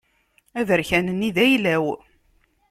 Aberkan-nni d ayla-w.